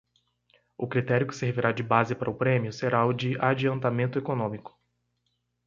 O critério que servirá de base para o prêmio será o de adiantamento econômico.